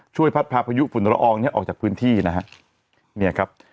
ช่วยพัดพายุฝุ่นละอองออกจากพื้นที่นี่ครับ